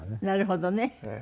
なるほどね。